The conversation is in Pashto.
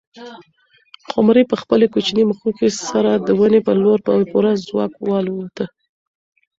قمرۍ په خپلې کوچنۍ مښوکې سره د ونې پر لور په پوره ځواک والوته.